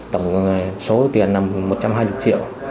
tổng số tiền là một trăm hai mươi triệu